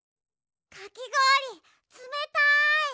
かきごおりつめたい！